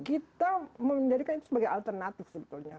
kita menjadikan itu sebagai alternatif sebetulnya